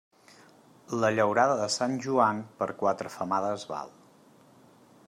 La llaurada de Sant Joan, per quatre femades val.